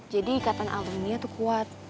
jadi ikatan aluminnya tuh kuat